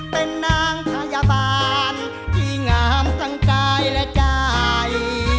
เป็นนางพยาบาลที่งามทั้งกายและใจ